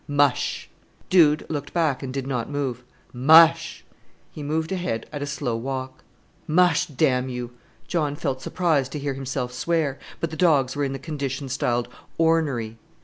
"Mush!" Dude looked back and did not move. "Mush!" He moved ahead at a slow walk. "Mush, damn you!" John felt surprised to hear himself swear; but the dogs were in the condition styled "ornery."